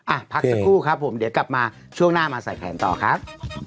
พักสักครู่ครับผมเดี๋ยวกลับมาช่วงหน้ามาใส่แขนต่อครับ